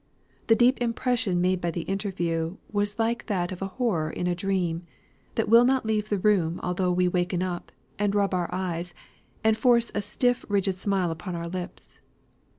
The deep impression made by the interview, was like that of a horror in a dream; that will not leave the room although we waken up, and rub our eyes, and force a stiff rigid smile upon our lips.